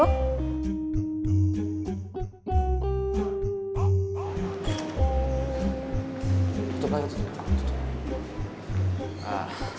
tutup lagi tutup lagi